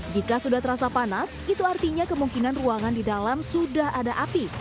jika sudah terasa panas itu artinya kemungkinan ruangan di dalam sudah ada api